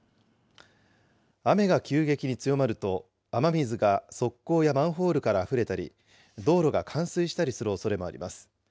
雨が急激に強まると、雨水が側溝やマンホールからあふれたり、道路が冠水したりするおそれもあります。